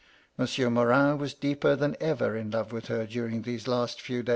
Monsieur Morin was deeper than ever in love with her during these last few MY LADY LUDLOW.